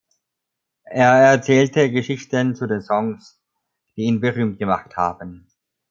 Er erzählte Geschichten zu den Songs, die ihn berühmt gemacht haben.